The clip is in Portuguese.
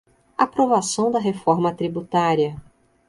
Aprovação da reforma tributária